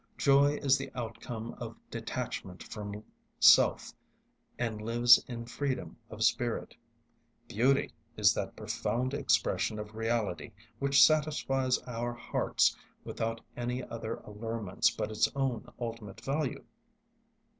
Joy is the outcome of detachment from self and lives in freedom of spirit. Beauty is that profound expression of reality which satisfies our hearts without any other allurements but its own ultimate value.